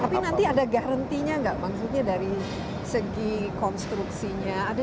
tapi nanti ada garantinya nggak maksudnya dari segi konstruksinya